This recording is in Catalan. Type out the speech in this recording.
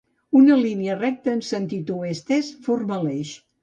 Una línia recta en sentit oest-est forma l'eix.